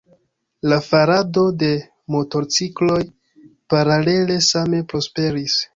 La farado de motorcikloj paralele same prosperis.